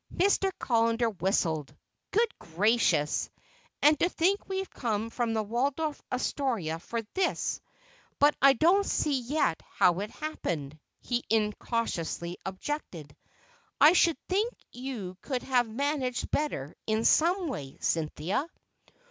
Mr. Callender whistled. "Good gracious! And to think we've come from the Waldorf Astoria for this! But I don't see yet how it happened," he incautiously objected. "I should think you could have managed better in some way, Cynthia."